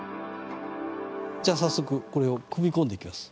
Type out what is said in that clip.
じゃあ早速これを組み込んでいきます。